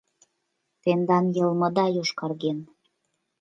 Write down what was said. Тендан йылмыда йошкарген.